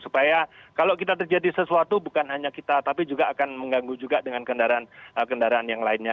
supaya kalau kita terjadi sesuatu bukan hanya kita tapi juga akan mengganggu juga dengan kendaraan yang lainnya